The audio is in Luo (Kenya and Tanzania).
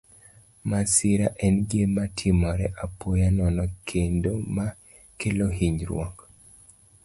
Masira en gima timore apoya nono kendo ma kelo hinyruok.